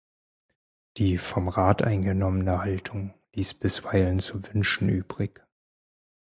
Die vom Rat eingenommene Haltung ließ bisweilen zu wünschen übrig.